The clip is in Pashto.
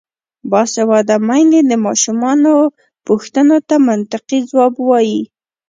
باسواده میندې د ماشومانو پوښتنو ته منطقي ځواب وايي.